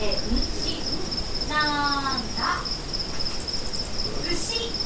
うし！